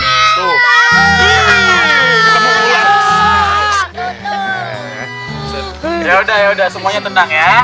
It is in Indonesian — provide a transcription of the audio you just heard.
dengarkan dulu ustadz berjelas kan